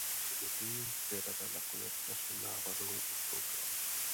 Kvituji, že Rada nakonec našim návrhům ustoupila.